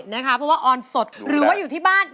เพราะว่าออนสดหรือว่าอยู่ที่บ้าน